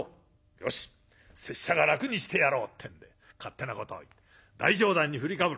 よし拙者が楽にしてやろう」ってんで勝手なことを言って大上段に振りかぶる。